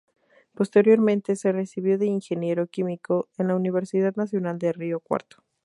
Posteriormente se recibió de Ingeniero Químico en la Universidad Nacional de Río Cuarto.